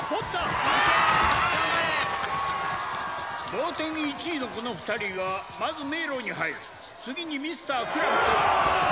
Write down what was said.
同点１位のこの２人がまず迷路に入る次にミスタークラムとクラム！